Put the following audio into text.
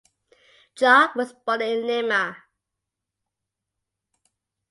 Jarque was born in Lima.